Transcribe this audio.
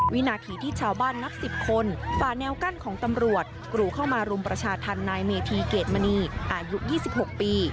วินาทีที่ชาวบ้านนับ๑๐คนฝ่าแนวกั้นของตำรวจกรูเข้ามารุมประชาธรรมนายเมธีเกรดมณีอายุ๒๖ปี